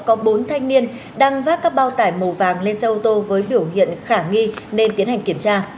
có bốn thanh niên đang vác các bao tải màu vàng lên xe ô tô với biểu hiện khả nghi nên tiến hành kiểm tra